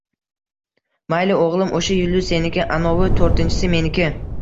Mayli, o'g'lim. O'sha yulduz seniki. Anovi to'rtinchisi — meniki.